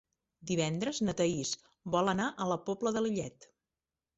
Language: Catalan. Divendres na Thaís vol anar a la Pobla de Lillet.